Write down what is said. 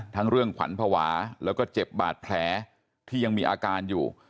เรื่องขวัญภาวะแล้วก็เจ็บบาดแผลที่ยังมีอาการอยู่